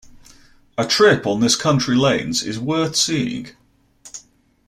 A trip on this country lanes is worth seeing.